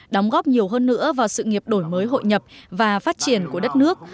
đóng góp nhiều hơn nữa vào sự nghiệp đổi mới hội nhập và phát triển của đất nước